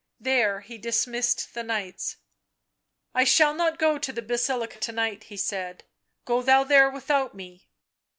There he dismissed the knights. " I shall not go to the Basilica to night," he said, " go thou there without me."